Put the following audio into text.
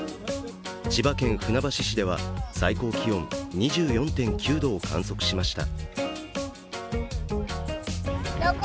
千葉県船橋市では最高気温２４．９度を観測しました。